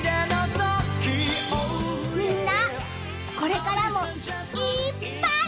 ［みんなこれからもいっぱい遊ぼうね！］